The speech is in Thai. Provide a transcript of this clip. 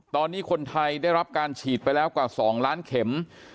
ตอนนี้คนไทยได้รับการฉีดไปแล้วกว่า๒ล้านเข็ม